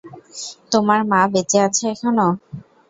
তোমার মা বেঁচে আছে এখনো?